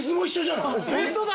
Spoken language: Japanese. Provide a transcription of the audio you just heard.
ホントだ。